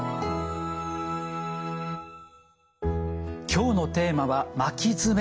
今日のテーマは「巻き爪」。